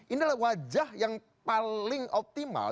ini adalah wajah yang paling optimal